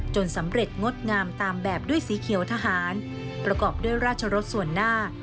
สำเร็จงดงามตามแบบด้วยสีเขียวทหารประกอบด้วยราชรสส่วนหน้า